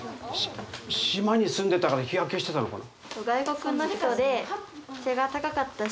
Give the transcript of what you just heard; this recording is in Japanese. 島に住んでたから日焼けしてたのかな。